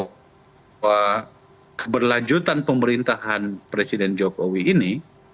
bahwa keberlanjutan pemerintahan presiden jokowi ini